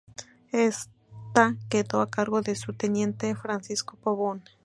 Ésta quedó a cargo de su teniente Francisco Pavón.